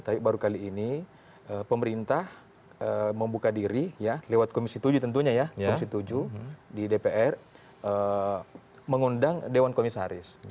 tapi baru kali ini pemerintah membuka diri ya lewat komisi tujuh tentunya ya komisi tujuh di dpr mengundang dewan komisaris